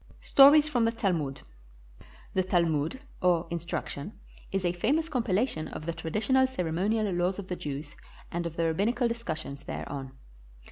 STORIES FROM THE TALMUD [The Talmud, or "instruction," is a famous compilation of the traditional ceremonial laws of the Jews and of the rab binical discussions thereon.